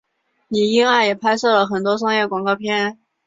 李英爱也拍摄了很多商业广告片。